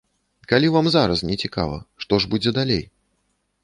Калі вам зараз не цікава, што ж будзе далей?